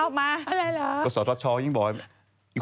อะไรเหรอก็สวทชยิ่งบอก